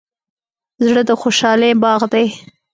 زړه د خوشحالۍ باغ دی.